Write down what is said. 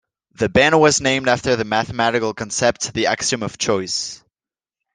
The band was named after the mathematical concept, the axiom of choice.